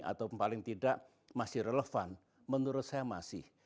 atau paling tidak masih relevan menurut saya masih